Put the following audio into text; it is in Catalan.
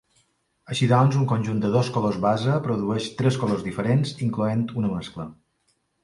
Així doncs, un conjunt de dos colors base produeix tres colors diferents, incloent una mescla.